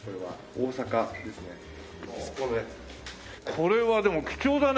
これはでも貴重だね。